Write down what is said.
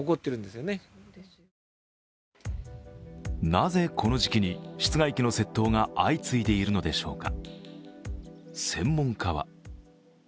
なぜこの時期に室外機の窃盗が相次いでいるのでしょうか。